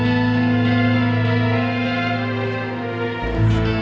tasik tasik tasik